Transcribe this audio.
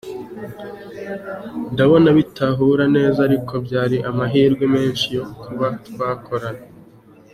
ndabona bitahura neza ariko byari amahirwe menshi yo kuba twakorana.